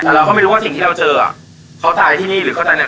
แล้วเขาไม่รู้ว่าเกิดที่เราเจออ่ะอ่ะเขาตายที่นี่หรือเขาตายอื่น